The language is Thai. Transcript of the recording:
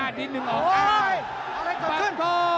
อะไรก็ขึ้น